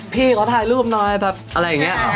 พี่เขาถ่ายรูปหน่อยแบบอะไรอย่างนี้